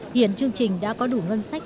hiện chương trình đã có đủ ngân sách